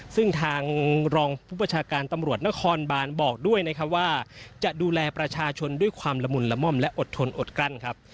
ซึ่งทางรองผู้ประชาการตำรวจนครบานบอกด้วยนะครับว่าจะดูแลประชาชนด้วยความละมุนละม่อมและอดทนอดกลั้นครับ